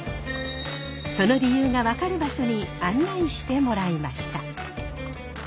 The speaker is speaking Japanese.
その理由が分かる場所に案内してもらいました。